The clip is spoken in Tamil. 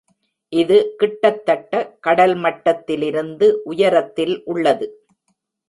இது கிட்டத்தட்ட கடல் மட்டத்திலிருந்து உயரத்தில் உள்ளது.